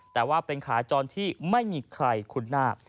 แต่ว่าเป็นขาจรที่ไม่มีใครคุ้นหน้า